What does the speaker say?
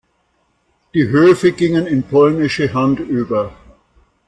Die Höfe gingen in polnische Hand über.